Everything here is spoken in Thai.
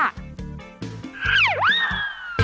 เฮ่ยนี่คือเราไม่ได้ผิด